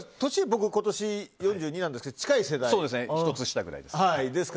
僕、今年４２なんですけど１つ下くらいです。